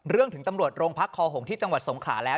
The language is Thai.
ถึงตำรวจโรงพักคอหงที่จังหวัดสงขลาแล้ว